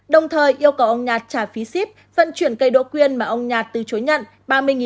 đồng thời yêu cầu ông nhạt trả phí ship vận chuyển cây đỗ quyên mà ông nhạt từ chối nhận